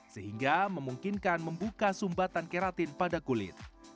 sehingga memungkinkan membuka sumbatan keratin pada kulit